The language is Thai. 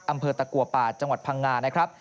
อำเภอตะกัวป่าจังหวัดพังงานะครับ